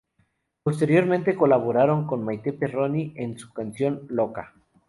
Posteriormente colaboraron con Maite Perroni en su canción "Loca".